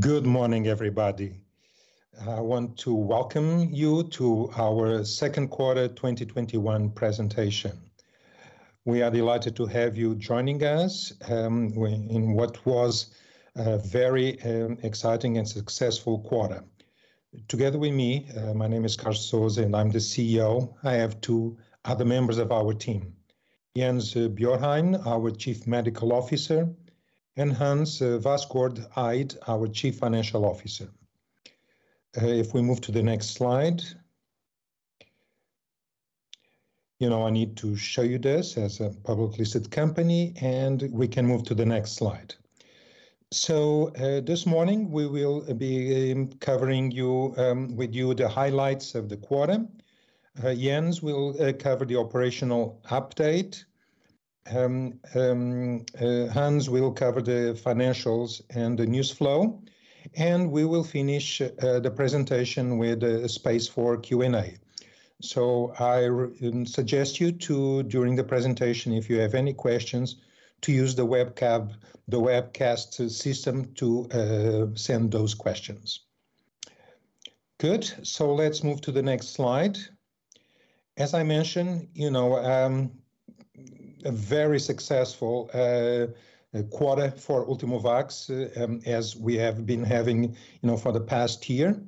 Good morning, everybody. I want to welcome you to our second quarter 2021 presentation. We are delighted to have you joining us in what was a very exciting and successful quarter. Together with me, my name is Carl Sousa and I'm the CEO, I have two other members of our team, Jens Bjørheim, our Chief Medical Officer, and Hans Vassgård Eid, our Chief Financial Officer. If we move to the next slide. I need to show you this as a publicly listed company, and we can move to the next slide. This morning, we will be covering with you the highlights of the quarter. Jens will cover the operational update. Hans will cover the financials and the news flow, and we will finish the presentation with space for Q&A. I suggest you to, during the presentation, if you have any questions, to use the webcast system to send those questions. Good. Let's move to the next slide. As I mentioned, a very successful quarter for Ultimovacs as we have been having for the past year.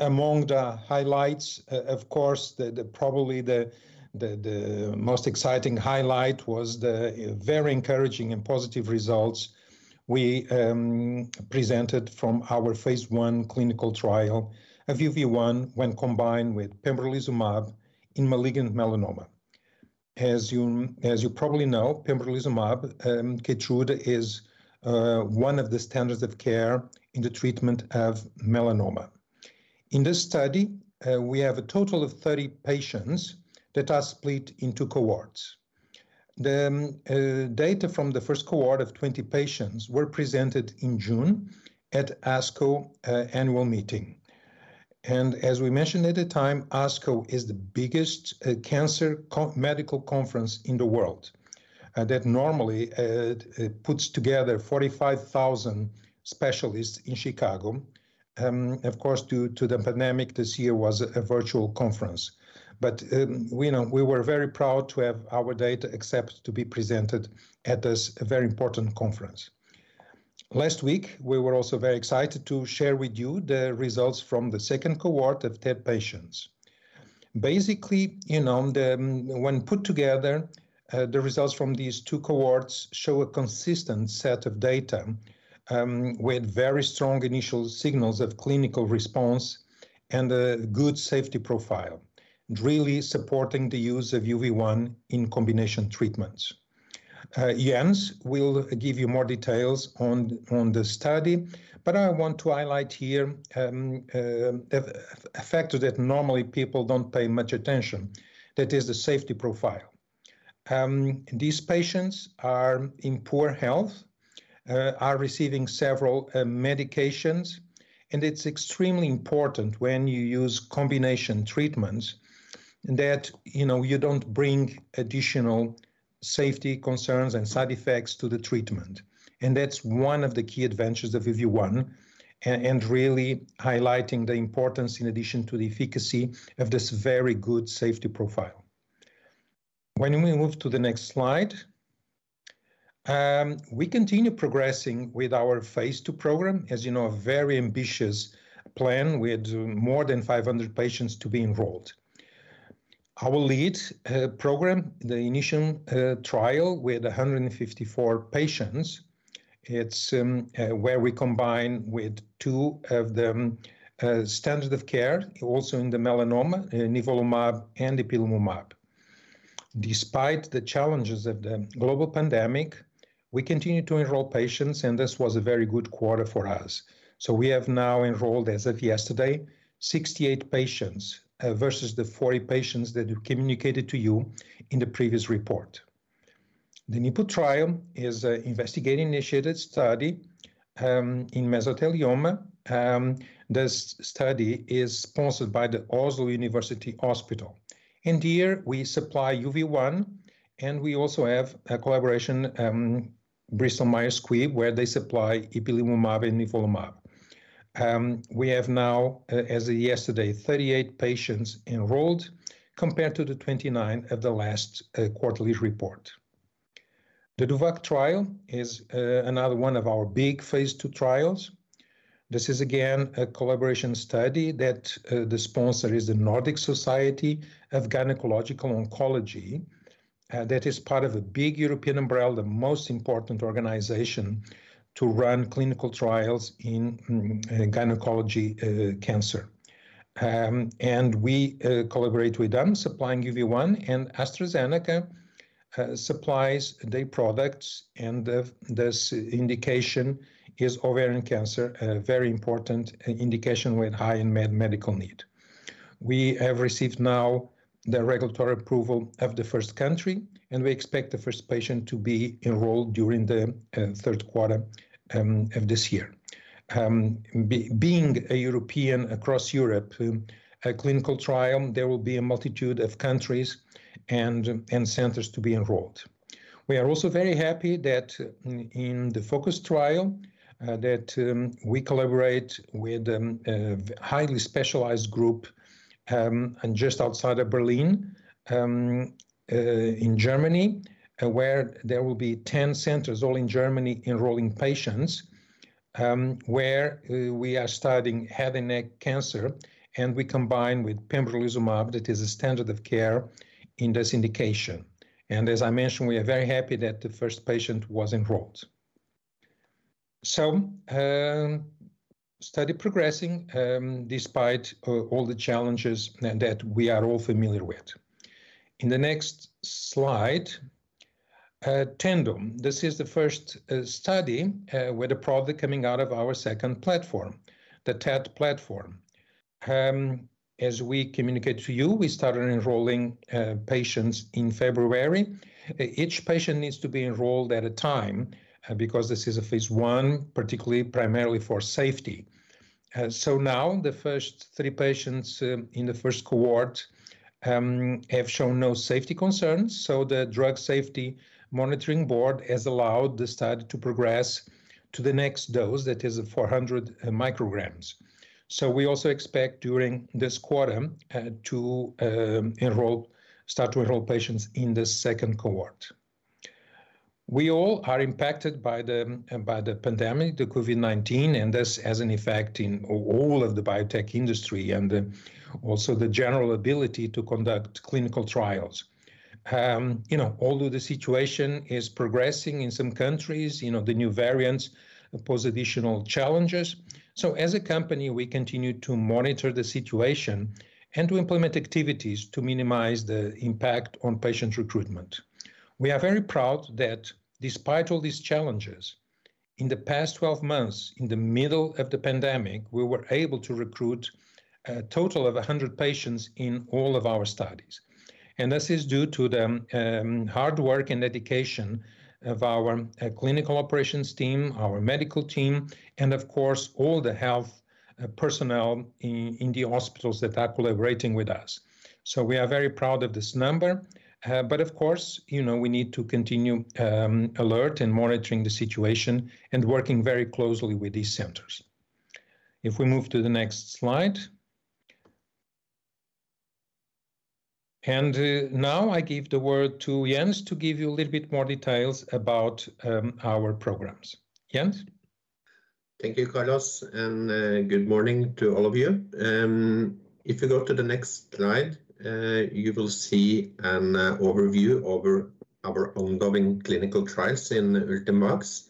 Among the highlights, of course, probably the most exciting highlight was the very encouraging and positive results we presented from our phase I clinical trial of UV1 when combined with pembrolizumab in malignant melanoma. As you probably know, pembrolizumab, KEYTRUDA, is one of the standards of care in the treatment of melanoma. In this study, we have a total of 30 patients that are split into cohorts. The data from the first cohort of 20 patients were presented in June at ASCO annual meeting. As we mentioned at the time, ASCO is the biggest cancer medical conference in the world, that normally it puts together 45,000 specialists in Chicago. Of course, due to the pandemic, this year was a virtual conference. We were very proud to have our data accepted to be presented at this very important conference. Last week, we were also very excited to share with you the results from the second cohort of 10 patients. Basically, when put together, the results from these two cohorts show a consistent set of data with very strong initial signals of clinical response and a good safety profile, really supporting the use of UV1 in combination treatments. Jens will give you more details on the study, but I want to highlight here a factor that normally people don't pay much attention, that is the safety profile. These patients are in poor health, are receiving several medications, and it's extremely important when you use combination treatments that you don't bring additional safety concerns and side effects to the treatment. That's one of the key advantages of UV1, and really highlighting the importance in addition to the efficacy of this very good safety profile. When we move to the next slide. We continue progressing with our phase II program. As you know, a very ambitious plan with more than 500 patients to be enrolled. Our lead program, the INITIUM trial with 154 patients, it's where we combine with two of the standard of care also in the melanoma, nivolumab and ipilimumab. Despite the challenges of the global pandemic, we continue to enroll patients, and this was a very good quarter for us. We have now enrolled, as of yesterday, 68 patients versus the 40 patients that we communicated to you in the previous report. The NIPU trial is an investigating-initiated study in mesothelioma. This study is sponsored by the Oslo University Hospital, and here we supply UV1, and we also have a collaboration, Bristol Myers Squibb, where they supply ipilimumab and nivolumab. We have now, as of yesterday, 38 patients enrolled compared to the 29 at the last quarterly report. The DOVACC trial is another one of our big phase II trials. This is again a collaboration study that the sponsor is the Nordic Society of Gynaecological Oncology, and that is part of a big European umbrella, the most important organization to run clinical trials in gynaecology cancer. We collaborate with them supplying UV1, AstraZeneca supplies their products, and this indication is ovarian cancer, a very important indication with high medical need. We have received now the regulatory approval of the first country, and we expect the first patient to be enrolled during the third quarter of this year. Being a European across Europe clinical trial, there will be a multitude of countries and centers to be enrolled. We are also very happy that in the FOCUS trial that we collaborate with a highly specialized group just outside of Berlin in Germany, where there will be 10 centers all in Germany enrolling patients. Where we are studying head and neck cancer, and we combine with pembrolizumab that is a standard of care in this indication. As I mentioned, we are very happy that the first patient was enrolled. So, study progressing despite all the challenges that we are all familiar with. In the next slide, TENDU. This is the first study with a product coming out of our second platform, the TET platform. As we communicate to you, we started enrolling patients in February. Each patient needs to be enrolled at a time because this is a phase I, particularly primarily for safety. Now the first three patients in the first cohort have shown no safety concerns, so the drug safety monitoring board has allowed the study to progress to the next dose. That is at 400 mcg. We also expect during this quarter to start to enroll patients in the second cohort. We all are impacted by the pandemic, the COVID-19, and this has an effect in all of the biotech industry, and also the general ability to conduct clinical trials. You know, although the situation is progressing in some countries, the new variants pose additional challenges. As a company, we continue to monitor the situation and to implement activities to minimize the impact on patient recruitment. We are very proud that despite all these challenges, in the past 12 months, in the middle of the pandemic, we were able to recruit a total of 100 patients in all of our studies. This is due to the hard work and dedication of our clinical operations team, our medical team, and of course, all the health personnel in the hospitals that are collaborating with us. We are very proud of this number. Of course, we need to continue alert and monitoring the situation and working very closely with these centers. If we move to the next slide. Now I give the word to Jens to give you a little bit more details about our programs. Jens? Thank you, Carlos, and good morning to all of you. If you go to the next slide, you will see an overview over our ongoing clinical trials in Ultimovacs.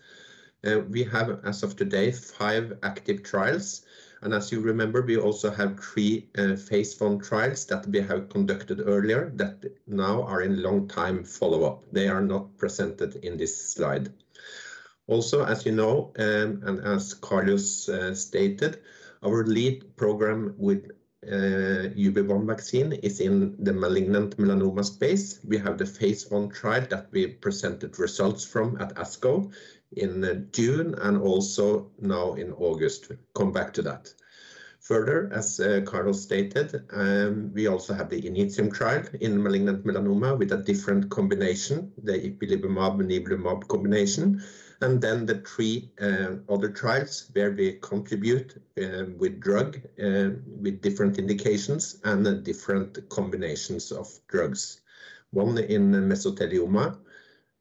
We have, as of today, five active trials. As you remember, we also have three phase I trials that we have conducted earlier that now are in long-time follow-up. They are not presented in this slide. Also, as you know, and as Carlos stated, our lead program with UV1 vaccine is in the malignant melanoma space. We have the phase I trial that we presented results from at ASCO in June and also now in August. We'll come back to that. Further, as Carlos stated, we also have the INITIUM trial in malignant melanoma with a different combination, the ipilimumab and nivolumab combination. The three other trials where we contribute with drug with different indications and different combinations of drugs. One in mesothelioma,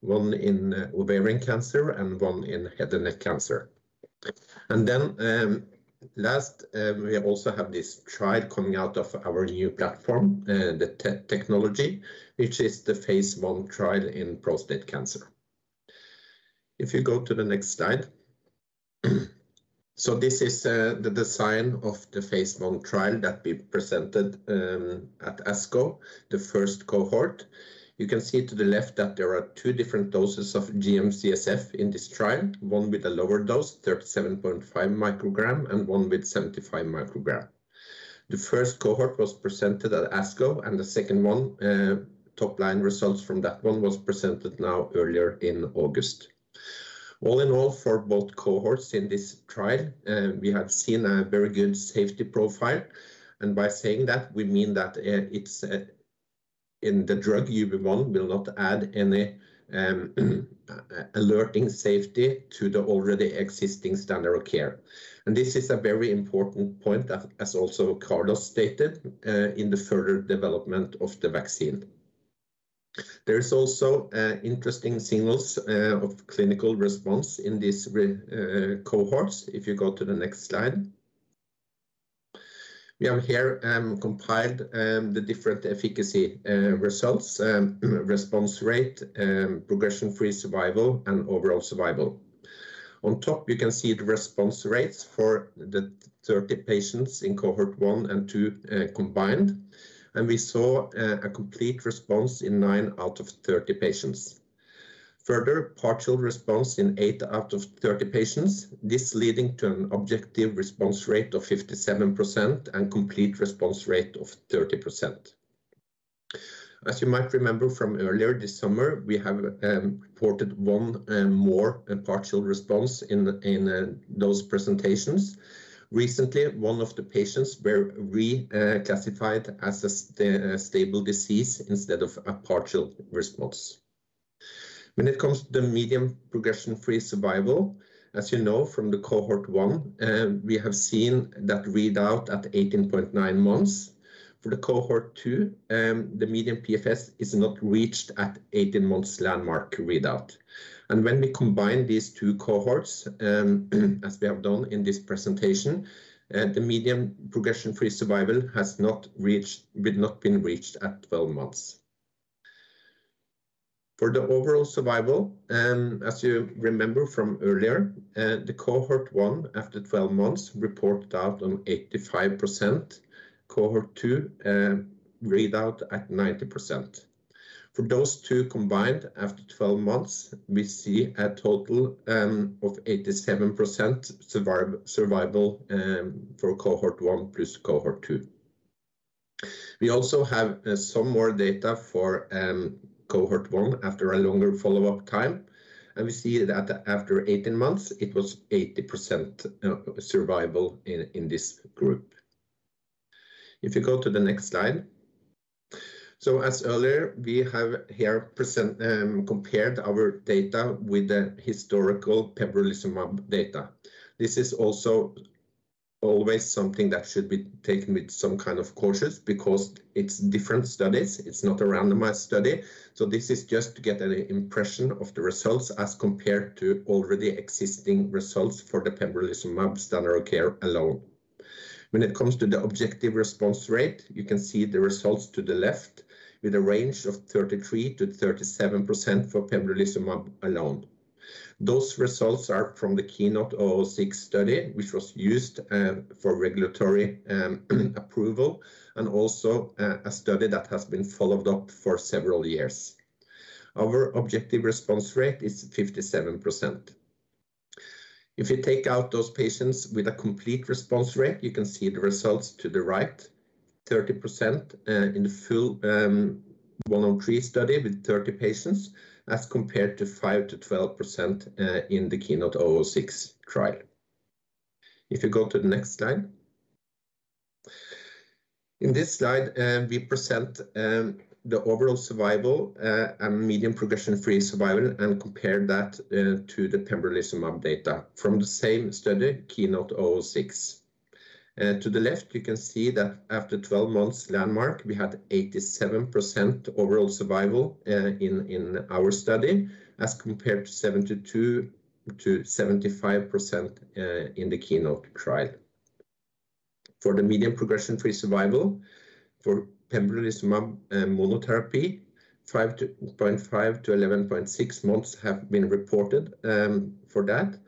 one in ovarian cancer, and one in head and neck cancer. Last, we also have this trial coming out of our new platform, the TET technology, which is the phase I trial in prostate cancer. If you go to the next slide. This is the design of the phase I trial that we presented at ASCO, the first cohort. You can see to the left that there are two different doses of GM-CSF in this trial, one with a lower dose, 37.5 mcg, and one with 75 mcg. The first cohort was presented at ASCO, and the second one, top line results from that one was presented now earlier in August. All in all, for two cohorts in this trial, we have seen a very good safety profile. By saying that, we mean that the drug UV1 will not add any alerting safety to the already existing standard of care. This is a very important point that, as also Carlos stated, in the further development of the vaccine. There is also interesting signals of clinical response in these cohorts. If you go to the next slide. We have here compiled the different efficacy results, response rate, progression-free survival, and overall survival. On top, you can see the response rates for the 30 patients in cohort 1 and 2 combined. We saw a complete response in nine out of 30 patients. Further, partial response in eight out of 30 patients. This leading to an objective response rate of 57% and complete response rate of 30%. As you might remember from earlier this summer, we have reported one and more partial response in those presentations. Recently, one of the patients were reclassified as a stable disease instead of a partial response. When it comes to the median progression-free survival, as you know from the cohort 1, we have seen that readout at 18.9 months. For the cohort 2, the median PFS is not reached at 18 months landmark readout. When we combine these 2 cohorts, as we have done in this presentation, the median progression-free survival has not been reached at 12 months. For the overall survival, as you remember from earlier, the cohort 1 after 12 months reported out on 85%. Cohort 2, readout at 90%. For those 2 combined after 12 months, we see a total of 87% survival for cohort 1 plus cohort 2. We also have some more data for cohort 1 after a longer follow-up time. We see that after 18 months, it was 80% survival in this group. If you go to the next slide. As earlier, we have here compared our data with the historical pembrolizumab data. This is also always something that should be taken with some kind of caution because it's different studies. It's not a randomized study. This is just to get an impression of the results as compared to already existing results for the pembrolizumab standard of care alone. When it comes to the objective response rate, you can see the results to the left with a range of 33%-37% for pembrolizumab alone. Those results are from the KEYNOTE-006 study, which was used for regulatory approval and also a study that has been followed up for several years. Our objective response rate is 57%. If you take out those patients with a complete response rate, you can see the results to the right, 30% in the full 103 study with 30 patients, as compared to 5%-12% in the KEYNOTE-006 trial. If you go to the next slide. In this slide, we present the overall survival and median progression-free survival and compare that to the pembrolizumab data from the same study, KEYNOTE-006. To the left, you can see that after 12 months landmark, we had 87% overall survival in our study as compared to 72%-75% in the KEYNOTE trial. For the median progression-free survival for pembrolizumab monotherapy, 5.5-11.6 months have been reported for that.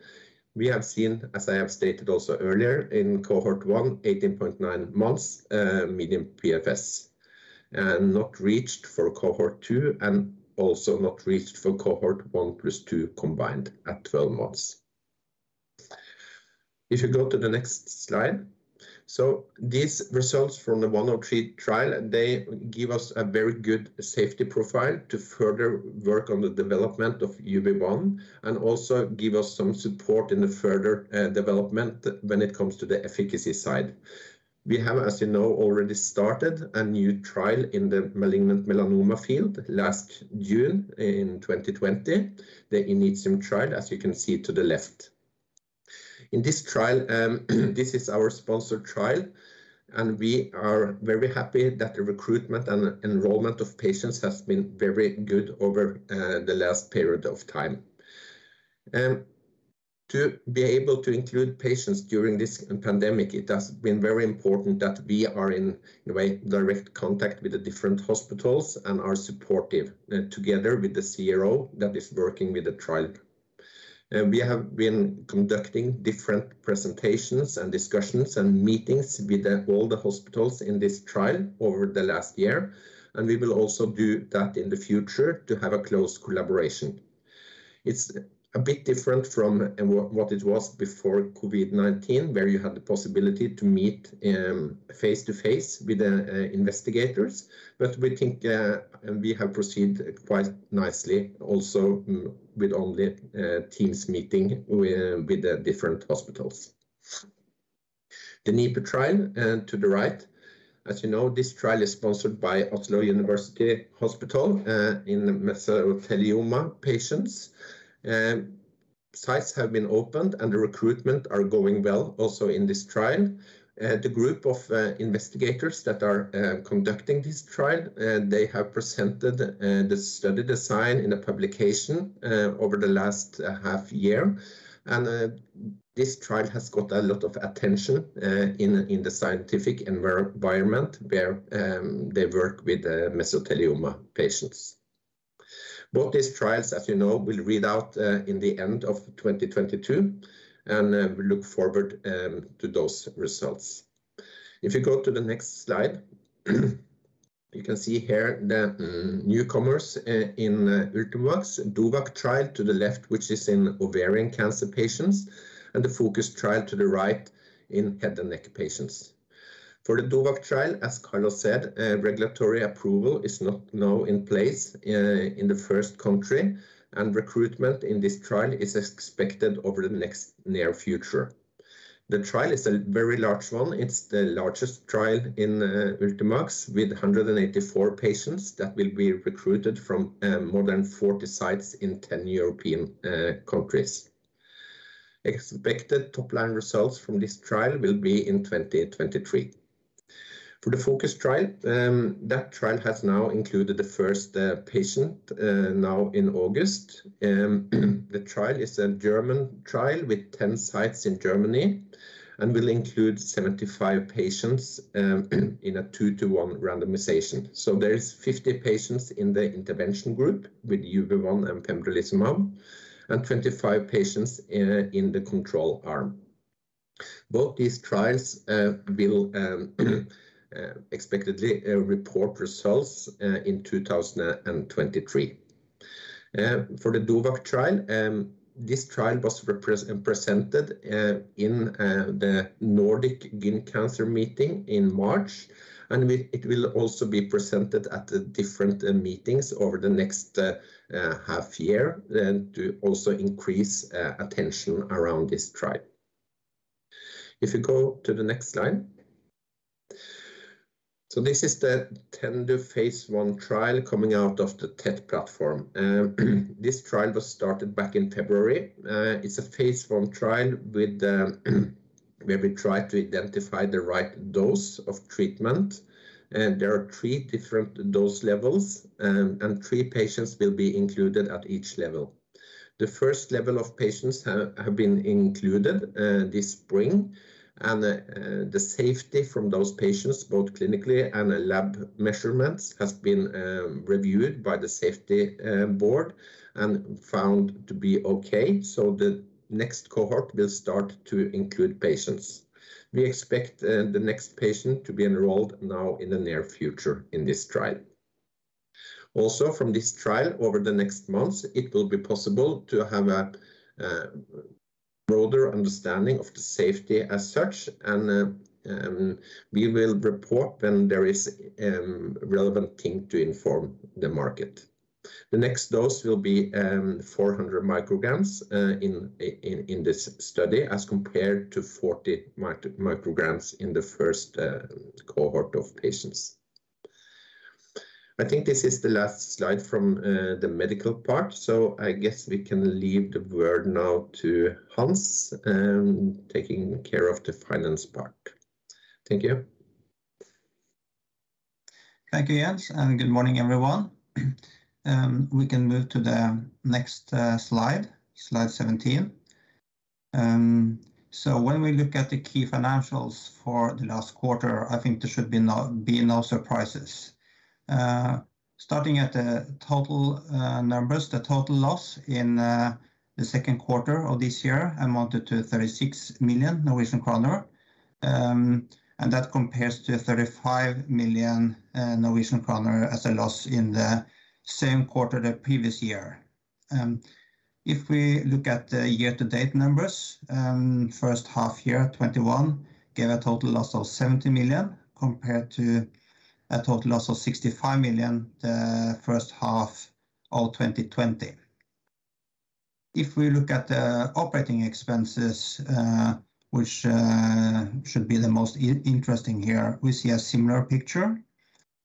We have seen, as I have stated also earlier, in cohort 1, 18.9 months median PFS. Not reached for cohort 2 and also not reached for cohort 1 plus 2 combined at 12 months. If you go to the next slide. These results from the 103 trial, they give us a very good safety profile to further work on the development of UV1 and also give us some support in the further development when it comes to the efficacy side. We have, as you know, already started a new trial in the malignant melanoma field last June in 2020, the INITIUM trial, as you can see to the left. In this trial, this is our sponsored trial, and we are very happy that the recruitment and enrollment of patients has been very good over the last period of time. To be able to include patients during this pandemic, it has been very important that we are in direct contact with the different hospitals and are supportive together with the CRO that is working with the trial. We have been conducting different presentations and discussions and meetings with all the hospitals in this trial over the last year, and we will also do that in the future to have a close collaboration. It's a bit different from what it was before COVID-19, where you had the possibility to meet and face-to-face with the investigators. We think we have proceeded quite nicely also with all the teams meeting with the different hospitals. The NIPU trial, and to the right, as you know, this trial is sponsored by Oslo University Hospital in mesothelioma patients. Sites have been opened, and the recruitment are going well also in this trial. The group of investigators that are conducting this trial, they have presented the study design in a publication over the last half year. This trial has got a lot of attention in the scientific environment where they work with mesothelioma patients. Both these trials, as you know, will read out in the end of 2022, and we look forward to those results. If you go to the next slide. You can see here the newcomers in Ultimovacs, DOVACC trial to the left, which is in ovarian cancer patients, and the FOCUS trial to the right in head and neck patients. For the DOVACC trial, as Carlos said, regulatory approval is now in place in the first country, and recruitment in this trial is expected over the next near future. The trial is a very large one. It's the largest trial in Ultimovacs with 184 patients that will be recruited from more than 40 sites in 10 European countries. Expected top-line results from this trial will be in 2023. For the FOCUS trial, that trial has now included the first patient now in August. The trial is a German trial with 10 sites in Germany and will include 75 patients in a two to one randomization. There is 50 patients in the intervention group with UV1 and pembrolizumab, and 25 patients in the control arm. Both these trials will expectedly report results in 2023. And for the DOVACC trial, this trial was presented in the Nordic Gyn Cancer meeting in March, and it will also be presented at the different meetings over the next half year, to also increase attention around this trial. If you go to the next slide. This is the TENDU phase I trial coming out of the TET platform. This trial was started back in February. It's a phase I trial where we try to identify the right dose of treatment. There are three different dose levels, and three patients will be included at each level. The first level of patients have been included this spring, and the safety from those patients, both clinically and lab measurements, has been reviewed by the safety board and found to be okay. The next cohort will start to include patients. We expect the next patient to be enrolled now in the near future in this trial. Also from this trial, over the next months, it will be possible to have a broader understanding of the safety as such, and we will report when there is relevant thing to inform the market. The next dose will be 400 mcg in this study, as compared to 40 mcg in the first cohort of patients. I think this is the last slide from the medical part. I guess we can leave the word now to Hans, taking care of the finance part. Thank you. Thank you, Jens, and good morning, everyone. We can move to the next slide, slide 17. When we look at the key financials for the last quarter, I think there should be no surprises. Starting at the total numbers, the total loss in the second quarter of this year amounted to 36 million Norwegian kroner. That compares to 35 million as a loss in the same quarter the previous year. If we look at the year-to-date numbers, first half year 2021 gave a total loss of 70 million, compared to a total loss of 65 million the first half of 2020. If we look at the operating expenses, which should be the most interesting here, we see a similar picture.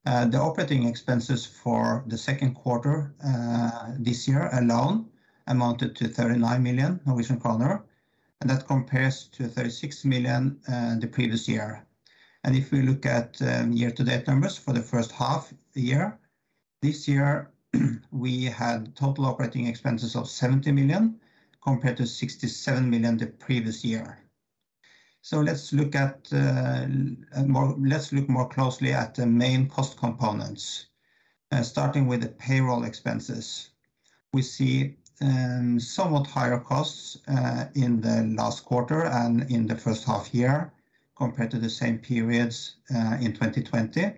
The operating expenses for the second quarter this year alone amounted to 39 million Norwegian kroner, and that compares to 36 million the previous year. If we look at year-to-date numbers for the first half of the year, this year we had total operating expenses of 70 million, compared to 67 million the previous year. Let's look more closely at the main cost components. Starting with the payroll expenses. We see somewhat higher costs in the last quarter and in the first half-year compared to the same periods in 2020.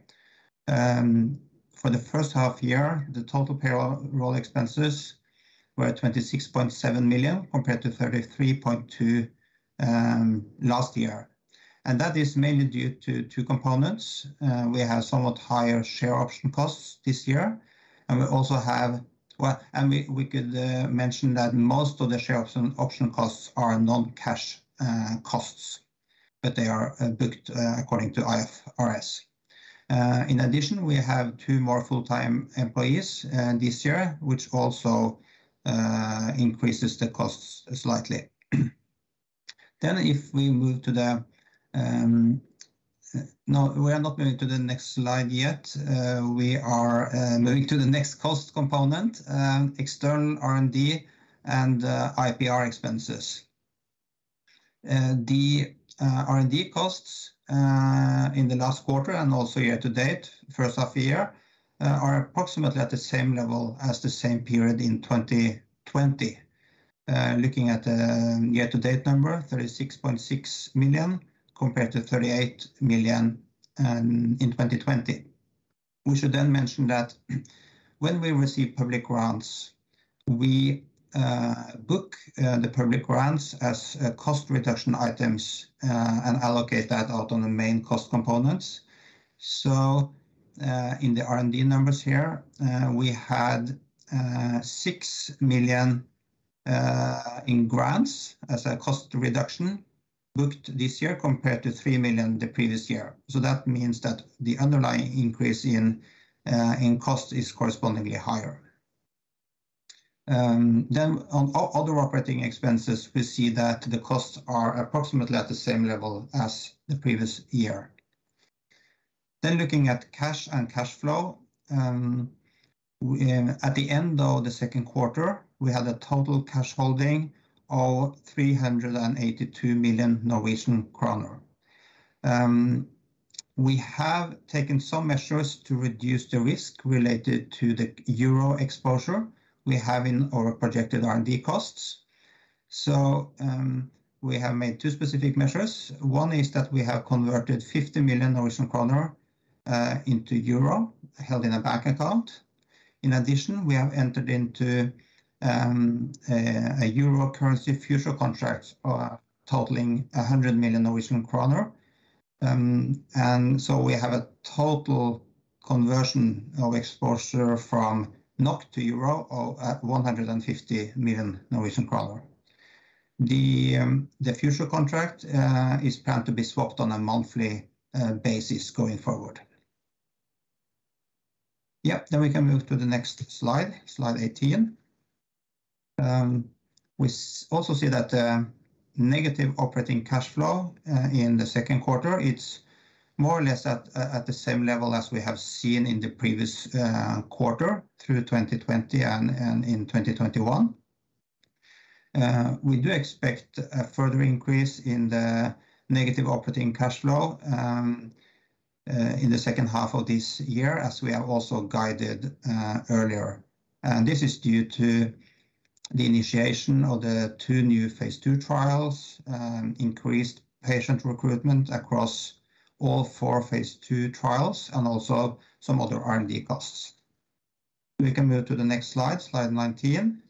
For the first half-year, the total payroll expenses were 26.7 million, compared to 33.2 million last year. That is mainly due to two components. We have somewhat higher share option costs this year, and we could mention that most of the share option costs are non-cash costs, but they are booked according to IFRS. In addition, we have two more full-time employees this year, which also increases the costs slightly. Then, if we move to the, no. We are not moving to the next slide yet. We are moving to the next cost component, external R&D and IPR expenses. The R&D costs in the last quarter and also year-to-date, first half of the year, are approximately at the same level as the same period in 2020. Looking at the year-to-date number, 36.6 million, compared to 38 million in 2020. We should mention that when we receive public grants, we book the public grants as cost reduction items and allocate that out on the main cost components. In the R&D numbers here, we had 6 million in grants as a cost reduction booked this year compared to 3 million the previous year. That means that the underlying increase in cost is correspondingly higher. On other operating expenses, we see that the costs are approximately at the same level as the previous year. Looking at cash and cash flow. At the end of the second quarter, we had a total cash holding of 382 million Norwegian kroner. We have taken some measures to reduce the risk related to the euro exposure we have in our projected R&D costs. We have made two specific measures. One is that we have converted 50 million Norwegian kroner into EUR, held in a bank account. In addition, we have entered into a Euro currency future contract totaling 100 million Norwegian kroner. We have a total conversion of exposure from NOK to EUR of NOK 150 million. The future contract is planned to be swapped on a monthly basis going forward. We can move to the next slide 18. We also see that negative operating cash flow in the second quarter, it's more or less at the same level as we have seen in the previous quarter through 2020 and in 2021. We do expect a further increase in the negative operating cash flow in the second half of this year, as we have also guided earlier. This is due to the initiation of the two new phase II trials, increased patient recruitment across all four phase II trials, and also some other R&D costs. We can move to the next slide, slide 19.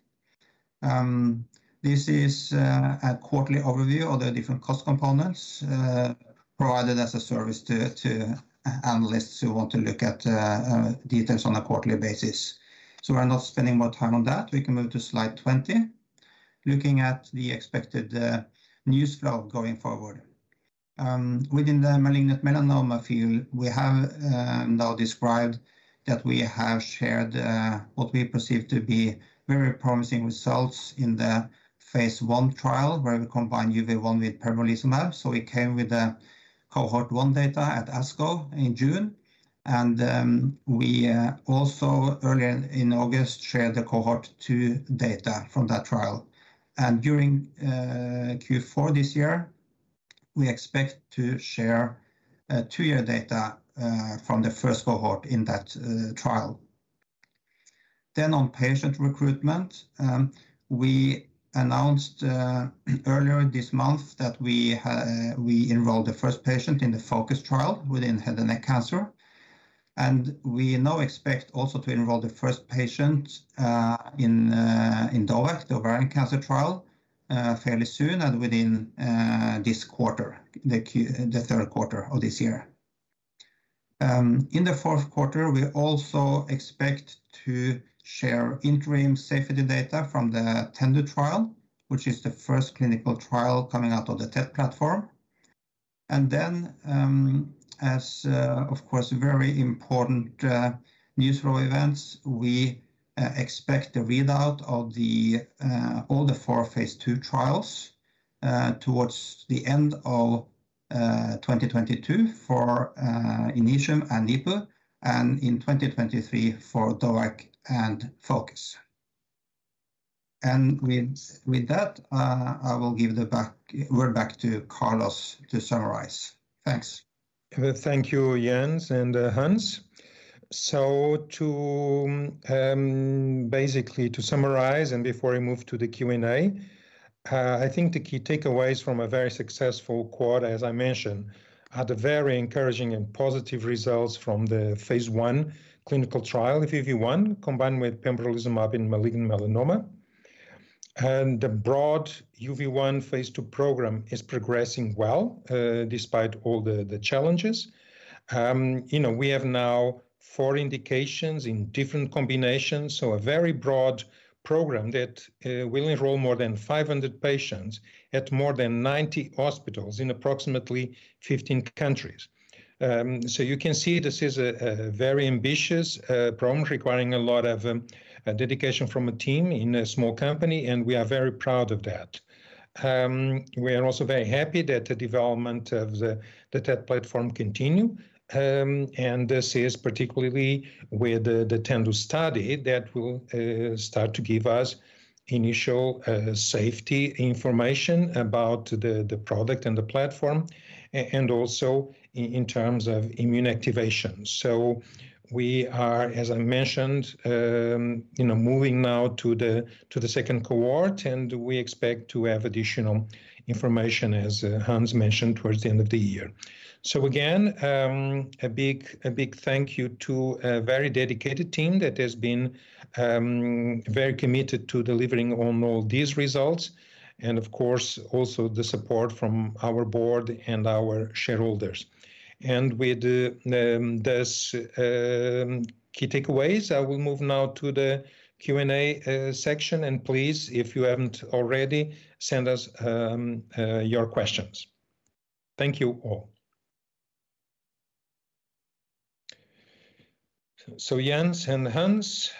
This is a quarterly overview of the different cost components provided as a service to analysts who want to look at details on a quarterly basis. We're not spending more time on that. We can move to slide 20. Looking at the expected news flow going forward. Within the malignant melanoma field, we have now described that we have shared what we perceive to be very promising results in the phase I trial where we combine UV1 with pembrolizumab. We came with the cohort 1 data at ASCO in June, and we also earlier in August shared the cohort 2 data from that trial. During Q4 this year, we expect to share two-year data from the first cohort in that trial. On patient recruitment, we announced earlier this month that we enrolled the first patient in the FOCUS trial within head and neck cancer. We now expect also to enroll the first patient in DOVACC, the ovarian cancer trial, fairly soon and within this quarter, the third quarter of this year. In the fourth quarter, we also expect to share interim safety data from the TENDU trial, which is the first clinical trial coming out of the TET platform. Then, as of course, very important news flow events, we expect the readout of all the four phase II trials towards the end of 2022 for INITIUM and NIPU, and in 2023 for DOVACC and FOCUS. With that, I will give the word back to Carlos to summarize. Thanks. Thank you, Jens and Hans. Basically to summarize, and before we move to the Q&A, I think the key takeaways from a very successful quarter, as I mentioned, are the very encouraging and positive results from the phase I clinical trial of UV1 combined with pembrolizumab in malignant melanoma. The broad UV1 phase II program is progressing well despite all the challenges. You know, we have now four indications in different combinations, so a very broad program that will enroll more than 500 patients at more than 90 hospitals in approximately 15 countries. You can see this is a very ambitious program requiring a lot of dedication from a team in a small company, and we are very proud of that. We are also very happy that the development of the TET platform continue. This is particularly with the TENDU study that will start to give us initial safety information about the product and the platform, also in terms of immune activation. We are, as I mentioned, moving now to the second cohort. We expect to have additional information, as Hans mentioned, towards the end of the year. Again, a big thank you to a very dedicated team that has been very committed to delivering on all these results. Of course also the support from our board and our shareholders. With these key takeaways, I will move now to the Q&A section. Please, if you haven't already, send us your questions. Thank you all. Jens and Hans.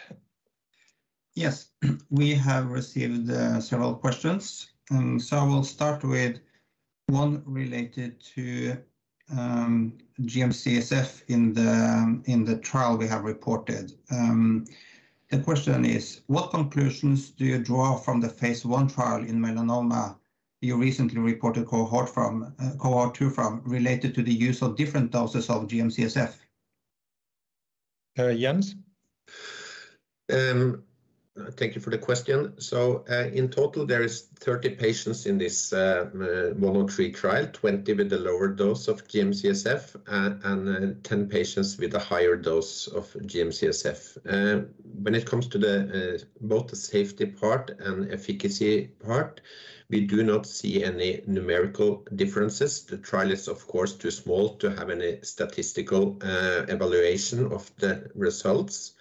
Yes, we have received several questions. I will start with one related to GM-CSF in the trial we have reported. The question is, what conclusions do you draw from the phase I trial in melanoma you recently reported cohort 2 from related to the use of different doses of GM-CSF? Jens? Thank you for the question. So, in total, there is 30 patients in this 103 trial, 20 with the lower dose of GM-CSF, and 10 patients with a higher dose of GM-CSF. When it comes to both the safety part and efficacy part, we do not see any numerical differences. The trial is, of course, too small to have any statistical evaluation of the results.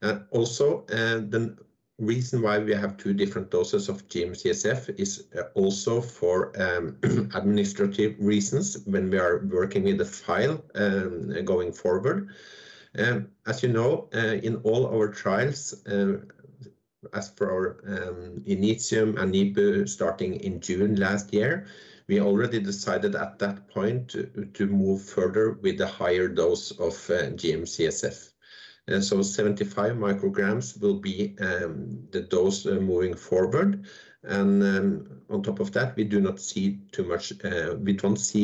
The reason why we have two different doses of GM-CSF is also for administrative reasons when we are working with the file going forward. As you know, in all our trials, as for our INITIUM and NIPU starting in June last year, we already decided at that point to move further with the higher dose of GM-CSF. And so 75 mcg will be the dose moving forward. And then, on top of that, we don't see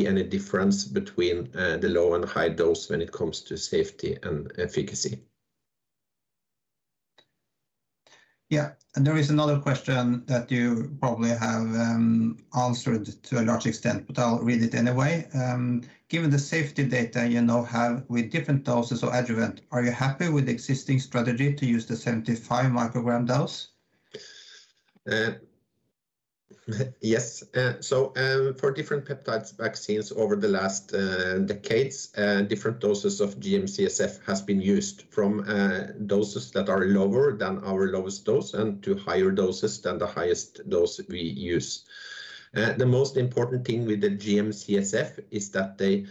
any difference between the low and high dose when it comes to safety and efficacy. Yeah. There is another question that you probably have answered to a large extent, but I'll read it anyway. Given the safety data you now have with different doses of adjuvant, are you happy with the existing strategy to use the 75 mcg dose? For different peptides vaccines over the last decades, different doses of GM-CSF has been used from doses that are lower than our lowest dose and to higher doses than the highest dose we use. The most important thing with the GM-CSF is that the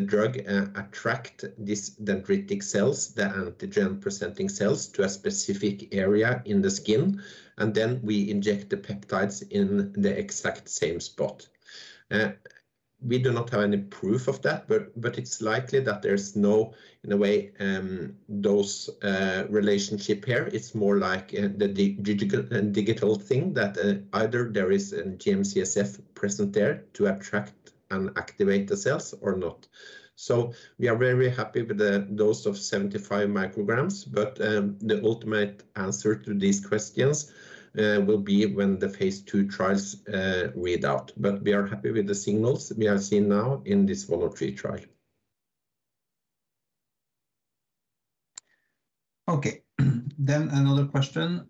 drug attract these dendritic cells, the antigen-presenting cells, to a specific area in the skin, and then we inject the peptides in the exact same spot. We do not have any proof of that, but it's likely that there's no, in a way, dose relationship here. It's more like the digital thing that either there is a GM-CSF present there to attract and activate the cells or not. We are very happy with the dose of 75 mcg. The ultimate answer to these questions will be when the phase II trials read out. We are happy with the signals we have seen now in this 103 trial. Okay. Another question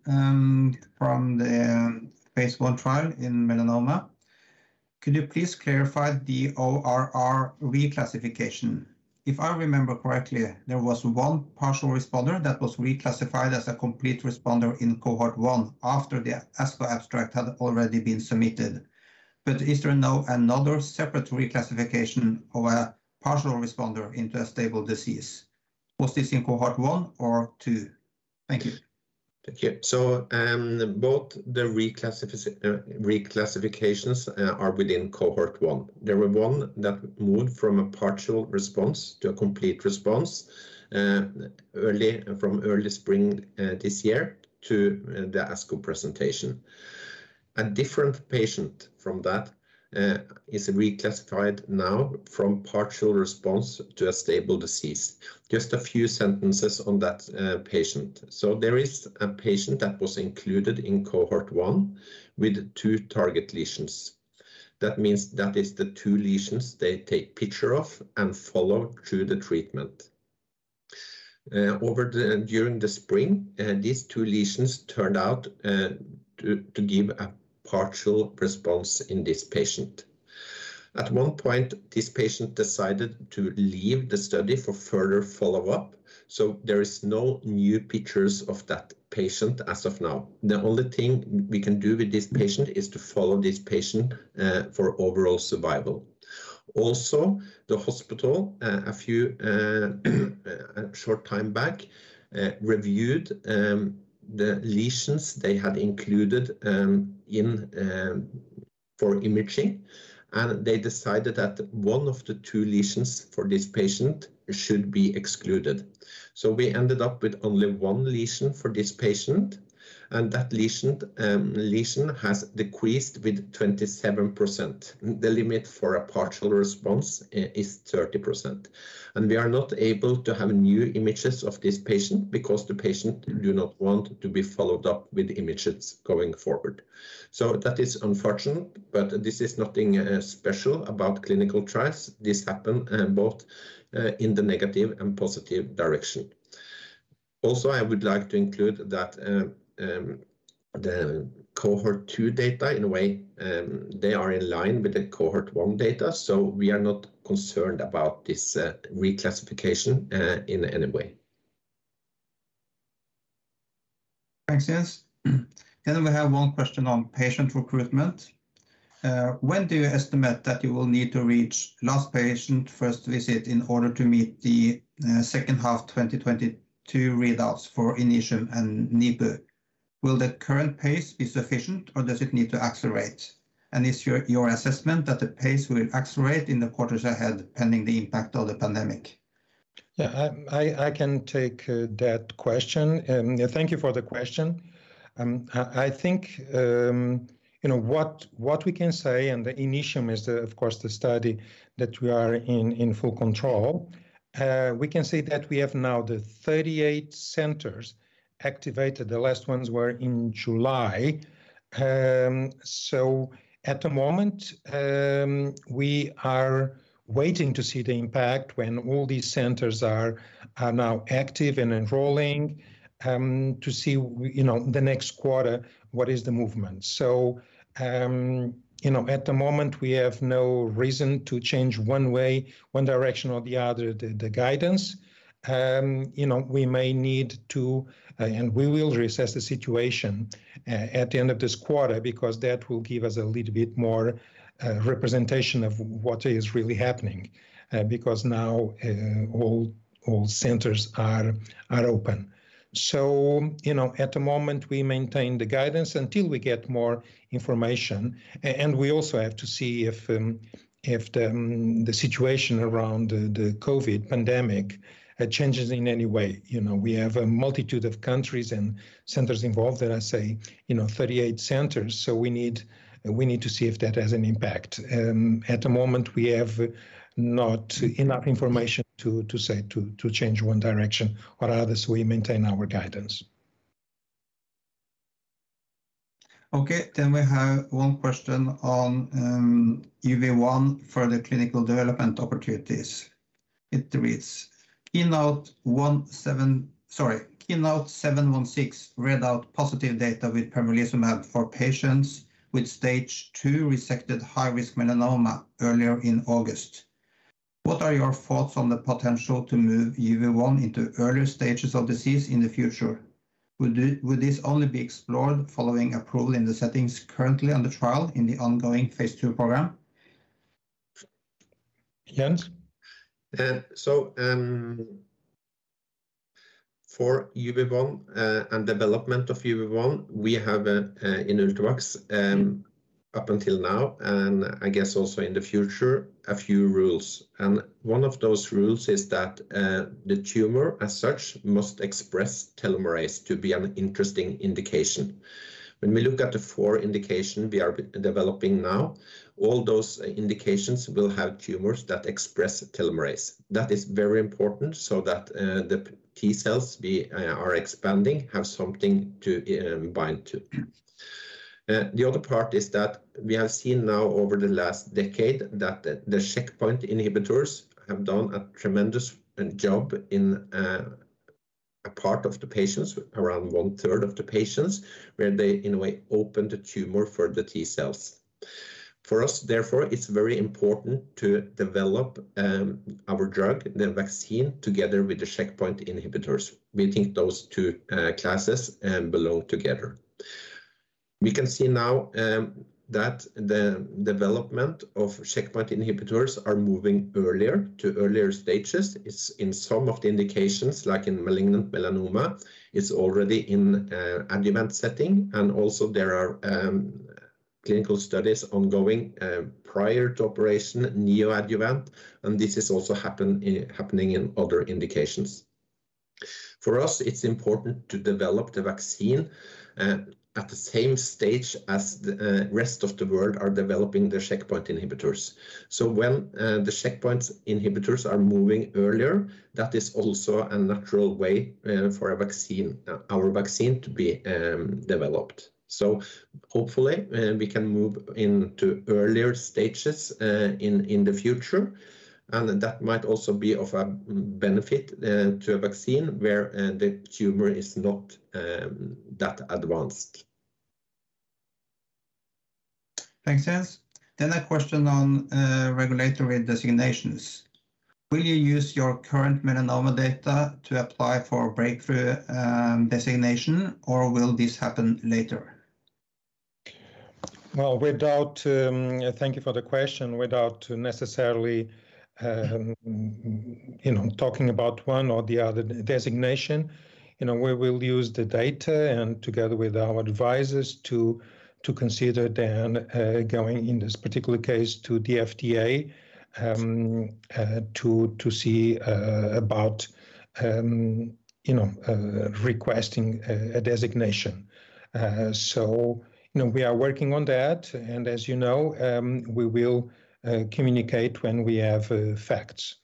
from the phase I trial in melanoma. Could you please clarify the ORR reclassification? If I remember correctly, there was one partial responder that was reclassified as a complete responder in cohort 1 after the ASCO abstract had already been submitted. Is there now another separate reclassification of a partial responder into a stable disease? Was this in cohort 1 or 2? Thank you. Thank you. Both the reclassifications are within cohort 1. There were one that moved from a partial response to a complete response from early spring this year to the ASCO presentation. A different patient from that is reclassified now from partial response to a stable disease. Just a few sentences on that patient. There is a patient that was included in cohort 1 with 2 target lesions. That means that is the two lesions they take picture of and follow through the treatment. During the spring, these two lesions turned out to give a partial response in this patient. At one point, this patient decided to leave the study for further follow-up, so there is no new pictures of that patient as of now. The only thing we can do with this patient is to follow this patient for overall survival. The hospital, a few short time back, reviewed the lesions they had included for imaging, and they decided that one of the two lesions for this patient should be excluded. We ended up with only one lesion for this patient, and that lesion has decreased with 27%. The limit for a partial response is 30%. We are not able to have new images of this patient because the patient do not want to be followed up with images going forward. That is unfortunate, but this is nothing special about clinical trials. This happen both in the negative and positive direction. I would like to include that the cohort 2 data, in a way, they are in line with the cohort 1 data, so we are not concerned about this reclassification in any way. Thanks, Jens. We have one question on patient recruitment. When do you estimate that you will need to reach last patient first visit in order to meet the second half 2022 readouts for INITIUM and NIPU? Will the current pace be sufficient, or does it need to accelerate? Is your assessment that the pace will accelerate in the quarters ahead pending the impact of the pandemic? Yeah, I can take that question. Thank you for the question. What we can say, Initium is of course the study that we are in full control. We can say that we have now the 38 centers activated. The last ones were in July. At the moment, we are waiting to see the impact when all these centers are now active and enrolling to see the next quarter, what is the movement. At the moment, we have no reason to change one way, one direction or the other, the guidance. You know, we may need to, will reassess the situation at the end of this quarter because that will give us a little bit more representation of what is really happening, because now all centers are open. At the moment, we maintain the guidance until we get more information, and we also have to see if the situation around the COVID pandemic changes in any way. We have a multitude of countries and centers involved, as I say, 38 centers, so we need to see if that has an impact. At the moment, we have not enough information to change one direction or the other, so we maintain our guidance. We have one question on UV1 for the clinical development opportunities. It reads: "KEYNOTE-17, sorry. KEYNOTE-716 read out positive data with pembrolizumab for patients with stage two resected high-risk melanoma earlier in August. What are your thoughts on the potential to move UV1 into earlier stages of disease in the future? Will this only be explored following approval in the settings currently on the trial in the ongoing phase II program?" Jens? For UV1 and development of UV1, we have in Ultimovacs, up until now, I guess also in the future, a few rules. One of those rules is that the tumor as such must express telomerase to be an interesting indication. When we look at the four indication we are developing now, all those indications will have tumors that express telomerase. That is very important so that the T-cells we are expanding have something to bind to. The other part is that we have seen now over the last decade that the checkpoint inhibitors have done a tremendous job in a part of the patients, around 1/3 of the patients, where they, in a way, open the tumor for the T-cells. For us, therefore, it's very important to develop our drug, the vaccine, together with the checkpoint inhibitors. We think those two classes belong together. We can see now that the development of checkpoint inhibitors are moving to earlier stages. In some of the indications, like in malignant melanoma, it is already in adjuvant setting, and also there are clinical studies ongoing prior to operation, neoadjuvant, and this is also happening in other indications. For us, it is important to develop the vaccine at the same stage as the rest of the world are developing their checkpoint inhibitors. When the checkpoint inhibitors are moving earlier, that is also a natural way for our vaccine to be developed. Hopefully we can move into earlier stages in the future, and that might also be of a benefit to a vaccine where the tumor is not that advanced. Thanks, Jens. A question on regulatory designations. Will you use your current melanoma data to apply for breakthrough designation, or will this happen later? Thank you for the question. Without necessarily talking about one or the other designation, we will use the data, and together with our advisors, to consider then going, in this particular case, to the FDA to see about requesting a designation. We are working on that, and as you know, we will communicate when we have facts.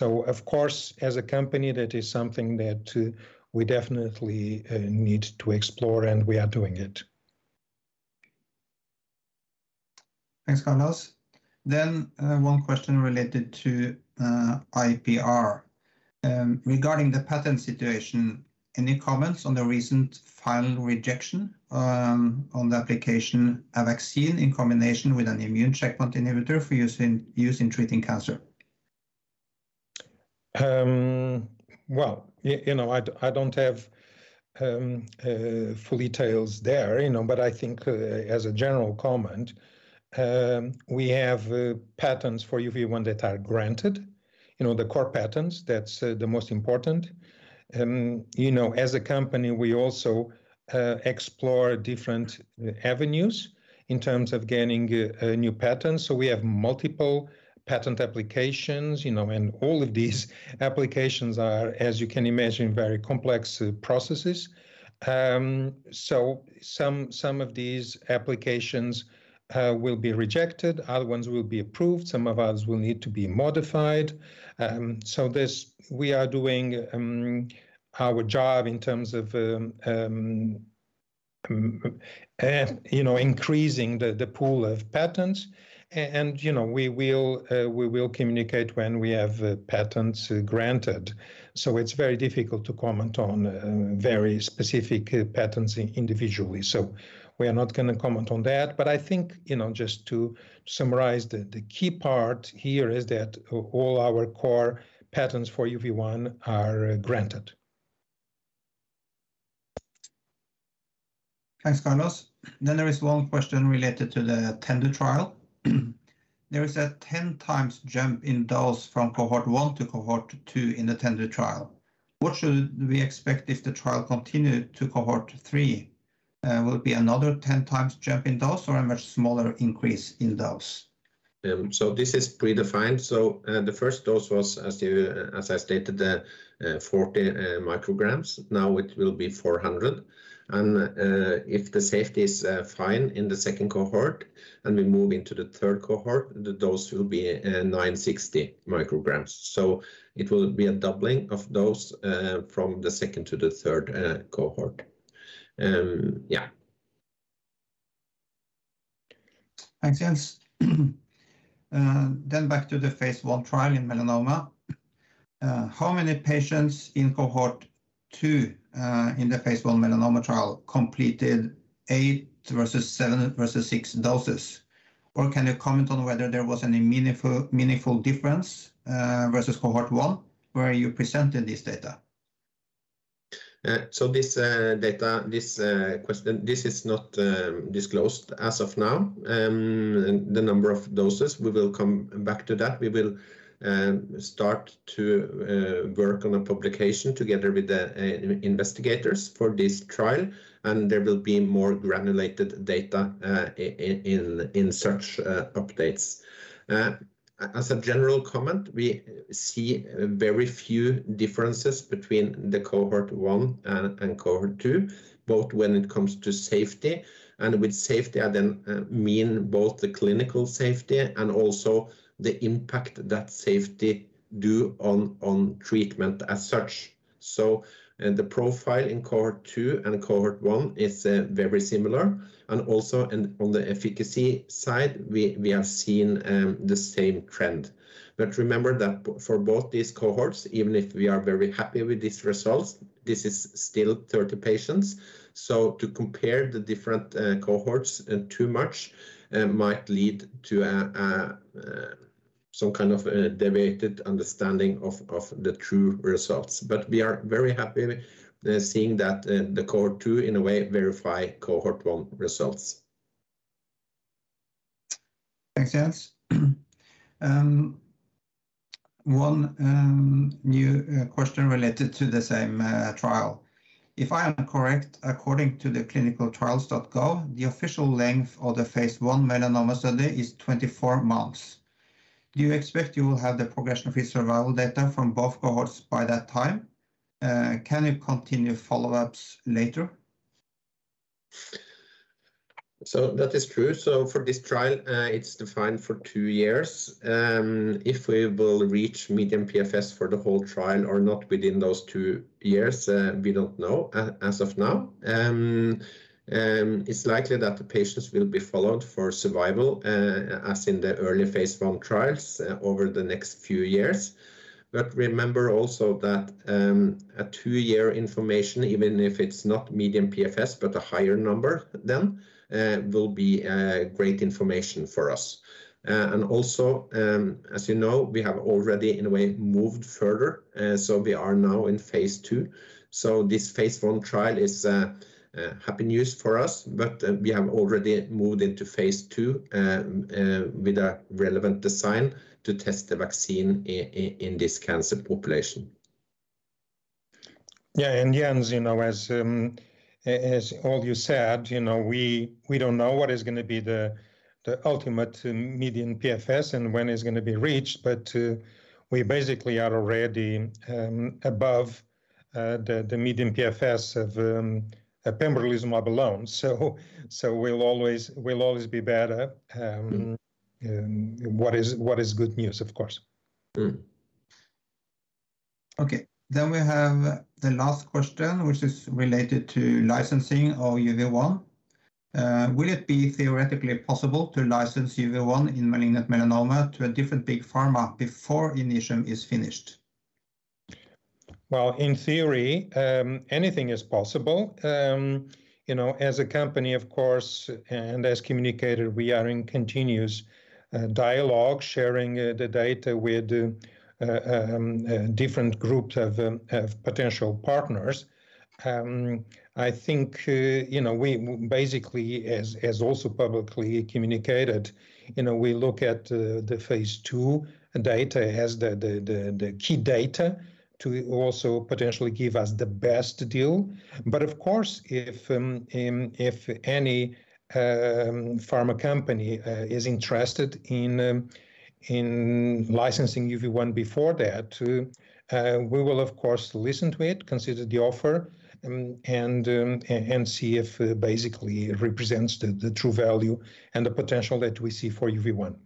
Of course, as a company, that is something that we definitely need to explore, and we are doing it. Thanks, Carlos. One question related to IPR. Regarding the patent situation, any comments on the recent final rejection on the application of a vaccine in combination with an immune checkpoint inhibitor for use in treating cancer? I don't have full details there, but I think as a general comment, we have patents for UV1 that are granted, the core patents, that's the most important. And, you know, as a company, we also explore different avenues in terms of gaining new patents. So, we have multiple patent applications, and all of these applications are, as you can imagine, very complex processes. So, some of these applications will be rejected, other ones will be approved, some of ours will need to be modified. And so, this, we are doing our job in terms of increasing the pool of patents, and we will communicate when we have patents granted. It's very difficult to comment on very specific patents individually. We are not going to comment on that. I think just to summarize, the key part here is that all our core patents for UV1 are granted. Thanks, Carlos. There is one question related to the TENDU trial. There is a 10x jump in dose from cohort 1 to cohort two in the TENDU trial. What should we expect if the trial continued to cohort three? Will it be another 10x jump in dose or a much smaller increase in dose? This is predefined. The first dose was, as I stated, 40 mcg. Now it will be 400 mcg. If the safety is fine in the 2nd cohort, and we move into the third cohort, the dose will be 960 mcg. It will be a doubling of dose from the second to the third cohort. And, yeah. Thanks, Jens. Back to the phase I trial in melanoma. How many patients in cohort 2 in the phase I melanoma trial completed eight versus seven versus six doses? Can you comment on whether there was any meaningful difference versus cohort 1 where you presented this data? So, this data, this question, this is not disclosed as of now, the number of doses. We will come back to that. We will start to work on a publication together with the investigators for this trial, and there will be more granulated data in such updates. As a general comment, we see very few differences between the cohort 1 and cohort 2, both when it comes to safety, and with safety, I then mean both the clinical safety and also the impact that safety do on treatment as such. The profile in cohort 2 and cohort 1 is very similar. Also on the efficacy side, we have seen the same trend. Remember that for both these cohorts, even if we are very happy with these results, this is still 30 patients. So, to compare the different cohorts too much might lead to some kind of deviated understanding of the true results. We are very happy seeing that the cohort 2, in a way, verify cohort 1 results. Thanks, Jens. One new question related to the same trial. If I am correct, according to clinicaltrials.gov, the official length of the phase I melanoma study is 24 months. Do you expect you will have the progression-free survival data from both cohorts by that time? Can you continue follow-ups later? That is true. For this trial, it's defined for two years. If we will reach median PFS for the whole trial or not within those two years, we don't know as of now. It's likely that the patients will be followed for survival, as in the early phase I trials over the next few years. Remember also that a two-year information, even if it's not median PFS, but a higher number, then will be great information for us. Also, as you know, we have already, in a way, moved further. We are now in phase II. This phase I trial is happy news for us, but we have already moved into phase II with a relevant design to test the vaccine in this cancer population. Yeah. Jens, as all you said, we don't know what is going to be the ultimate median PFS and when it's going to be reached, but we basically are already above the median PFS of pembrolizumab alone, so. We'll always.. We'll always be better, what is good news, of course. Okay. We have the last question, which is related to licensing of UV1. Will it be theoretically possible to license UV1 in malignant melanoma to a different big pharma before INITIUM is finished? Well, in theory anything is possible. As a company, of course, and as communicated, we are in continuous dialogue, sharing the data with different groups of potential partners. I think we basically, as also publicly communicated, we look at the phase II data as the key data to also potentially give us the best deal. Of course, if any pharma company is interested in licensing UV1 before that, we will of course listen to it, consider the offer, and see if basically it represents the true value and the potential that we see for UV1.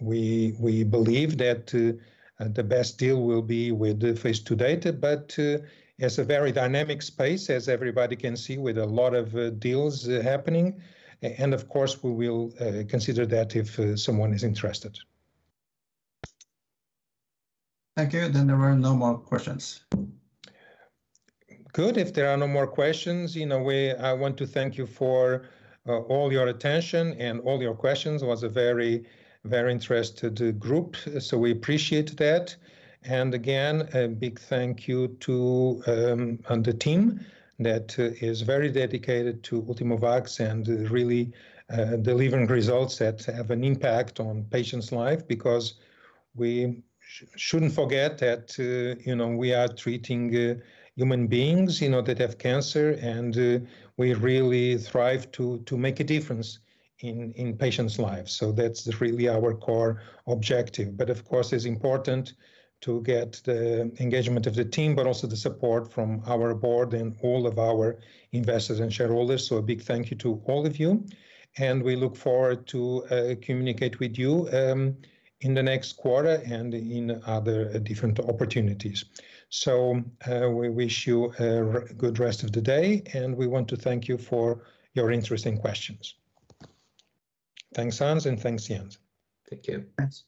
We believe that the best deal will be with the phase II data, but it's a very dynamic space, as everybody can see, with a lot of deals happening. And, of course, we will consider that if someone is interested. Thank you. There are no more questions. Good. If there are no more questions, I want to thank you for all your attention and all your questions. It was a very interested group. We appreciate that. Again, a big thank you to the team that is very dedicated to Ultimovacs and really delivering results that have an impact on patients' life, because we shouldn't forget that we are treating human beings that have cancer, and we really thrive to make a difference in patients' lives. That's really our core objective. Of course, it's important to get the engagement of the team, but also the support from our board and all of our investors and shareholders. So, a big thank you to all of you, and we look forward to communicate with you in the next quarter and in other different opportunities. We wish you a good rest of the day, and we want to thank you for your interesting questions. Thanks, Hans, and thanks, Jens. Thank you. Thanks.